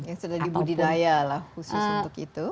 yang sudah di budidaya lah khusus untuk itu